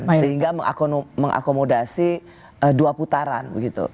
sehingga mengakomodasi dua putaran begitu